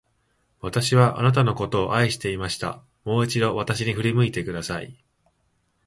私はあなたのことを愛していました。もう一度、私に振り向いてください。